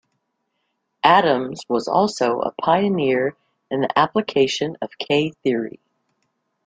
Adams was also a pioneer in the application of K-theory.